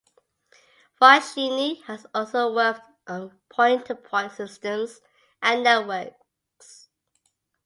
Foschini has also worked on point-to-point systems and networks.